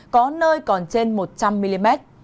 có nơi còn trên một trăm linh mm